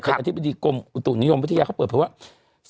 เป็นอธิบดีกรมอุตุนิยมวิทยาเขาเปิดเผยว่า